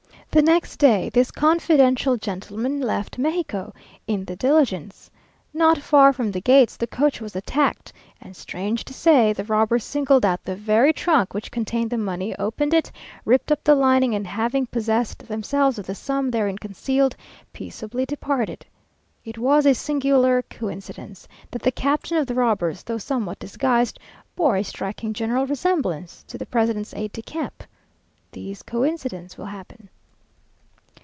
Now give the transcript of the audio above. The next day this confidential gentleman left Mexico, in the diligence. Not far from the gates the coach was attacked, and, strange to say, the robbers singled out the very trunk which contained the money, opened it, ripped up the lining, and having possessed themselves of the sum therein concealed, peaceably departed. It was a singular coincidence that the captain of the robbers, though somewhat disguised, bore a striking general resemblance to the president's aide de camp! These coincidences will happen....